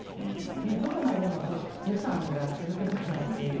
どこまで予算が続くのかなという。